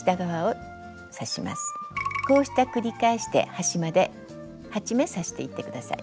こうした繰り返しで端まで８目刺していって下さい。